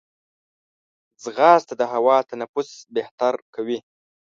ځغاسته د هوا تنفس بهتر کوي